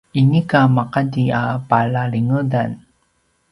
inika maqati a palalingedan